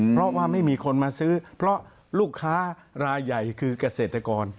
เพราะว่าไม่มีคนมาซื้อเพราะลูกค้ารายใหญ่คือเกษตรกร